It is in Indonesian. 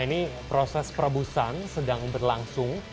ini proses perebusan sedang berlangsung